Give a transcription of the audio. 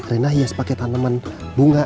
renah hias pakai tanaman bunga